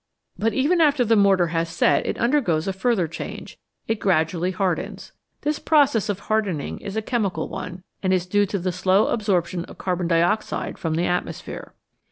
But even after the mortar has set it undergoes a further change it gradu ally hardens. This process of hardening is a chemical one, and is due to the slow absorption of carbon dioxide from the atmosphere.